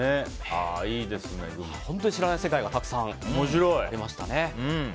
本当に知らない世界がたくさんありましたね。